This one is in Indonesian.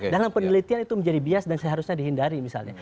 dalam penelitian itu menjadi bias dan seharusnya dihindari misalnya